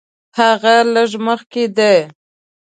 هغه لږ مخکې دی.